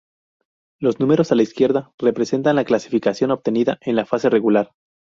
Los números de la izquierda representan la clasificación obtenida en la fase regular.